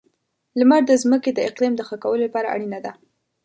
• لمر د ځمکې د اقلیم د ښه کولو لپاره اړینه ده.